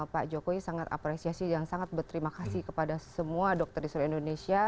pak jokowi sangat apresiasi dan sangat berterima kasih kepada semua dokter di seluruh indonesia